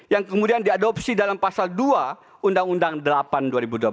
yang kemudian diadopsi dalam pasal dua undang undang delapan dua ribu dua belas